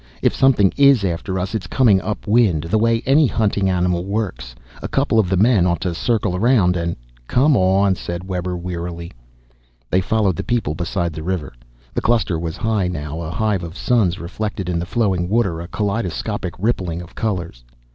If something is after us it's coming up wind, the way any hunting animal works. A couple of the men ought to circle around and " "Come on," said Webber wearily. They followed the people beside the river. The cluster was high now, a hive of suns reflected in the flowing water, a kaleidoscopic rippling of colors.